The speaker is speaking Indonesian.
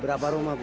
berapa rumah bu